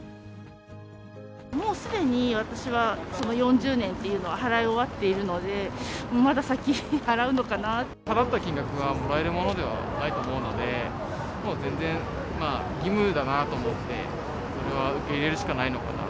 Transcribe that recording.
もうすでに私はその４０年というのは払い終わっているので、払った金額はもらえるものではないと思うので、もう全然、まあ義務だなと思って、それは受け入れるしかないのかな。